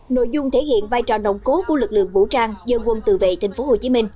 nội dung thể hiện vai trò nồng cố của lực lượng vũ trang dân quân tự vệ tp hcm